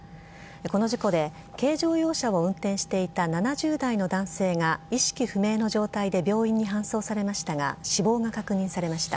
この事故で軽乗用車を運転していた７０代の男性が意識不明の状態で病院に搬送されましたが死亡が確認されました。